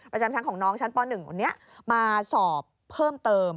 ประจำชั้นของน้องชั้นป๑มาสอบเพิ่มเติม